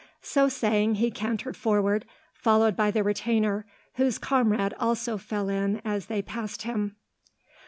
So saying, he cantered forward, followed by the retainer, whose comrade also fell in as they passed him.